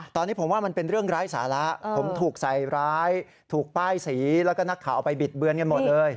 ตอนนี้ผมว่ามันเป็นเรื่องร้ายสาระผมถูกใส่ร้ายถูกป้ายสีแล้วก็นักข่าวเอาไปบิดเบือนกันหมดเลย